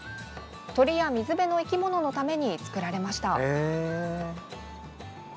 鳥や水辺の生き物のために作られました。